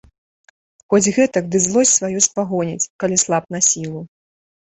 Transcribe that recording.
Хоць гэтак ды злосць сваю спагоніць, калі слаб на сілу.